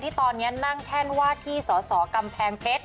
ที่ตอนนี้นั่งแท่นว่าที่สสกำแพงเพชร